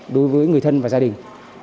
đối với người thân và gia đình